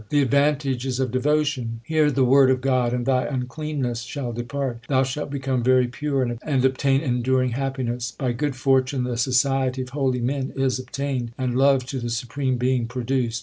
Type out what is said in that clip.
The advantages of devotion : Hear the Word of God and thy uncleanness shall depart ; Thou shalt become very pure and obtain enduring l hap piness. By good fortune the society of holy men is obtained, And love to the Supreme Being produced.